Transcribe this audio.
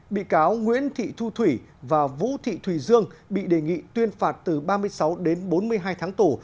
bị cáo nguyễn thị thu thủy và vũ thị thùy dương bị đề nghị tuyên phạt từ ba mươi sáu đến bốn mươi hai tháng tù